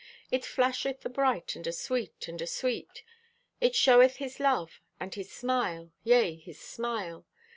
It flasheth abright and asweet, and asweet. It showeth His love and His smile, yea, His smile.